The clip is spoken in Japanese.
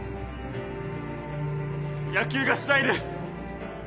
野球がしたいです！